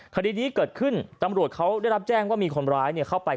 คดีนี้เกิดขึ้นตำรวจเขาได้รับแจ้งว่ามีคนร้ายเข้าไป